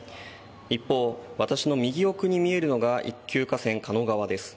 一方、私の右奥に見えるのが一級河川、狩野川です。